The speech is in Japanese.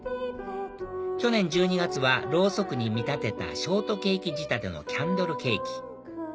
去年１２月はロウソクに見立てたショートケーキ仕立てのキャンドルケーキ